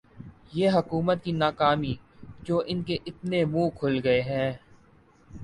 یہ حکومت کی ناکامی جو انکے اتنے منہ کھل گئے ہیں